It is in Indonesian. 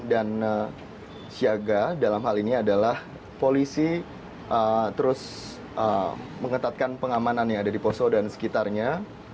dan siaga dalam hal ini adalah polisi terus mengetatkan pengamanan yang ada di poso dan sekitarnya